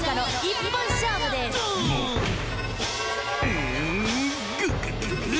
うんググググッ。